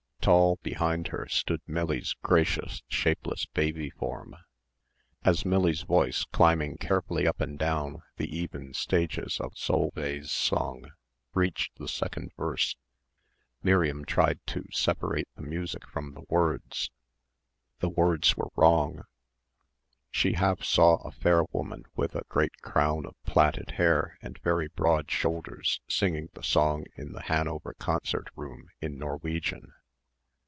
Tall behind her stood Millie's gracious shapeless baby form. As Millie's voice climbing carefully up and down the even stages of Solveig's song reached the second verse, Miriam tried to separate the music from the words. The words were wrong. She half saw a fair woman with a great crown of plaited hair and very broad shoulders singing the song in the Hanover concert room in Norwegian.